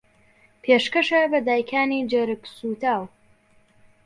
پێشکەشە بە دایکانی جەرگسووتاو